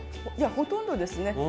ほとんどですね。